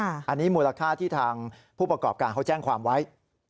อันนี้มูลค่าที่ทางผู้ประกอบการเขาแจ้งความไว้